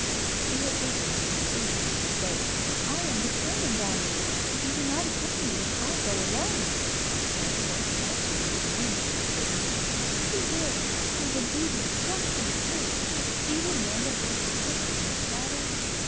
She had risen to her feet, and she said: "I am determined on it! If you do not accompany me, I'll go alone!" And pointing out to him the moon which had risen: "See here! It was an evening just like this! Do you remember how you kissed my shadow?"